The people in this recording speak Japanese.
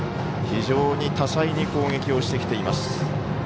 非常に多彩に攻撃をしてきています。